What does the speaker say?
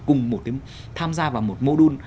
cùng tham gia vào một mô đun